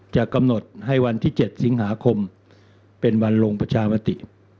จะกำหนดให้วันที่๗สิงหาคมเป็นวันลงประชามติ